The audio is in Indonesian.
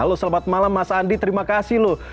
halo selamat malam mas andi terima kasih loh